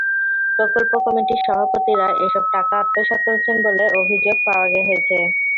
প্রকল্প কমিটির সভাপতিরা এসব টাকা আত্মসাৎ করেছেন বলে অভিযোগ পাওয়া হয়েছে।